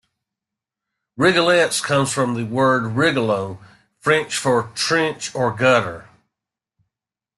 "Rigolets" comes from the word "rigole", French for "trench" or "gutter.